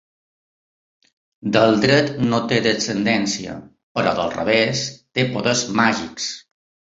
Del dret no té descendència, però del revés té poders màgics.